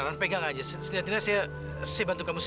sampai jumpa di video selanjutnya